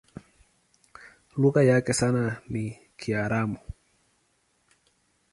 Lugha yake hasa ni Kiaramu.